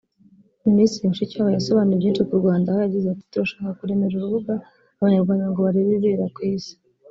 Minisitiri Mushikiwabo yasobanuye byinshi ku Rwanda aho yagize ati “Turashaka kuremera urubuga Abanyarwanda ngo barebe ibibera ku Isi